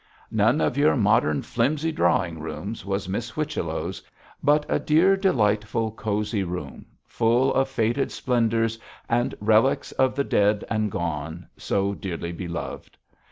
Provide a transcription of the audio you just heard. None of your modern flimsy drawing rooms was Miss Whichello's, but a dear, delightful, cosy room full of faded splendours and relics of the dead and gone so dearly beloved.